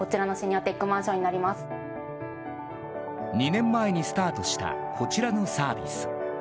２年前にスタートしたこちらのサービス。